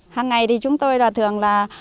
hằng ngày thì chúng tôi thường là